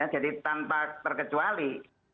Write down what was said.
jadi tanpa terkecuali